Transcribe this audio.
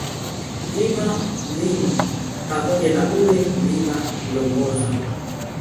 Mlima Mlimu pamoja na ule Mlima Mlomboza